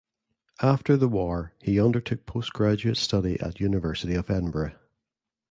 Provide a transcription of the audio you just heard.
After the War he undertook postgraduate study at University of Edinburgh.